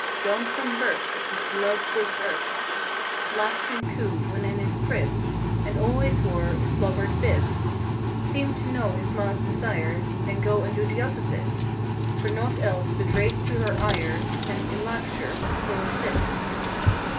John from birth Just loved this earth: Laughed and cooed when in his crib, And always wore a slobbered bib. Seemed to know his ma's desire Then go and do the opposite 232 For naught else but raise to her ire And, in laughter, throw a fit.